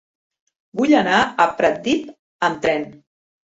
Vull anar a Pratdip amb tren.